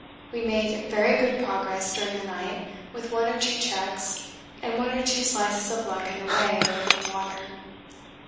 We made very good progress during the night with one or two checks and one or two slices of luck in the way of open water.